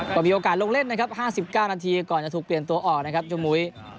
ก็มีโอกาสลงเล่นนะครับ๕๙นาทีก่อนจะถูกเปลี่ยนตัวออกนะครับเจ้ามุ้ย